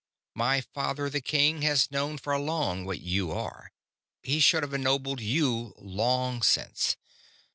My father the king has known for long what you are; he should have ennobled you long since.